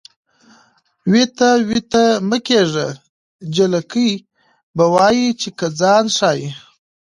وېته وېته مه کېږه جلکۍ به وایې چې که ځان ښایې.